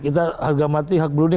kita harga mati hak berunding